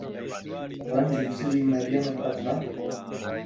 ڕەنگی جلی مەریەمت بەدڵە؟